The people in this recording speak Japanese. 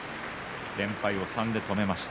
連敗を３で止めました。